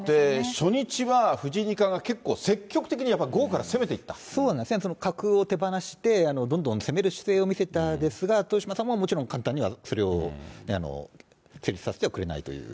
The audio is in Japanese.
初日は、藤井二冠が結構、そうなんですね、角を手放して、どんどん攻める姿勢を見せたんですが、豊島さんももちろん簡単にはそれを成立させてはくれないという感